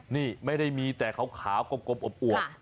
นี่ไม่ได้มีแต่ขาวกลมอวบ